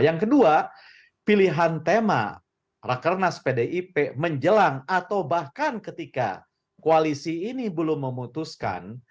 yang kedua pilihan tema rakernas pdip menjelang atau bahkan ketika koalisi ini belum memutuskan